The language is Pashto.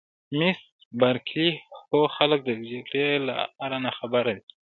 مس بارکلي: هو خلک د جګړې له آره ناخبره دي.